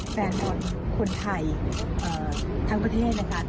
แฟนบอลคนไทยทั้งประเทศนะคะ